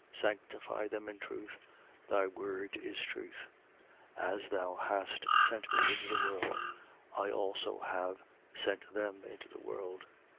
17:17. Sanctify them in truth. Thy word is truth. 17:18. As thou hast sent me into the world, I also have sent them into the world.